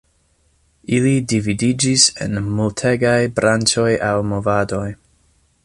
Ili dividiĝis en multegaj branĉoj aŭ movadoj.